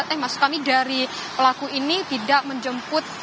eh maksud kami dari pelaku ini tidak menjemput